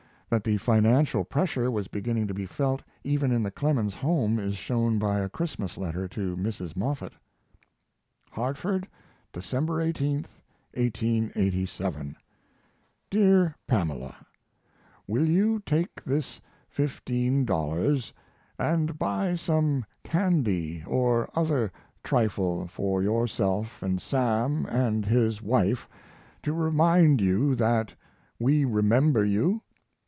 That the financial pressure was beginning to be felt even in the Clemens home is shown by a Christmas letter to Mrs. Moffett. HARTFORD, December 18, 1887. DEAR PAMELA, Will you take this $15 & buy some candy or other trifle for yourself & Sam & his wife to remind you that we remember you?